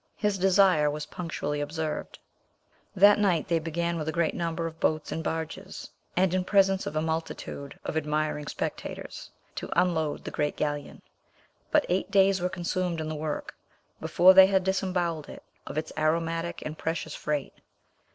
His desire was punctually observed. That night they began with a great number of boats and barges, and in presence of a multitude of admiring spectators, to unload the great galleon, but eight days were consumed in the work before they had disembowelled it of its aromatic and precious freight.